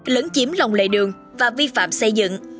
lớn chiếm lòng lệ đường và vi phạm xây dựng